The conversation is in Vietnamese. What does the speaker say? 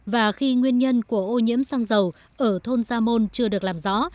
và khi nguyên nhân của ô nhiễm xăng dầu ở thôn gia môn chưa được làm rõ